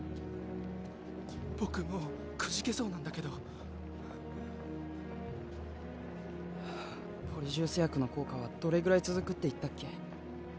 僕もうくじけそうなんだけどポリジュース薬の効果はどれぐらい続くって言ったっけ？